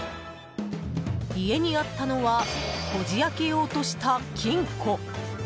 家にあったのはこじ開けようとした金庫。